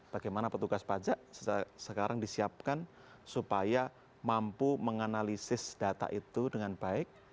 bagaimana petugas pajak sekarang disiapkan supaya mampu menganalisis data itu dengan baik